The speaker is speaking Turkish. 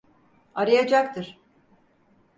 Arayacaktır.